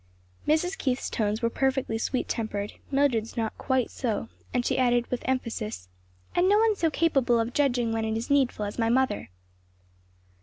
Mrs. Keith's tones were perfectly sweet tempered; Mildred's not quite so, as she added with emphasis, "And no one so capable of judging when it is needful as my mother."